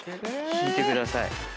引いてください。